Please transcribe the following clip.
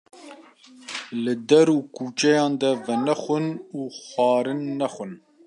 Li der û kuçeyan de venexwin û xwarin nexwin